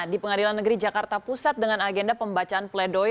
di pengadilan negeri jakarta pusat dengan agenda pembacaan pledoi